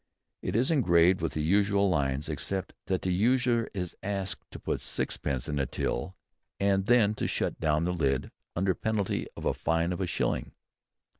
It is engraved with the usual lines, except that the user is asked to put sixpence in the till, and then to shut down the lid under penalty of a fine of a shilling.